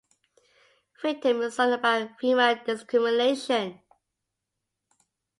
"Victim" is a song about female discrimination.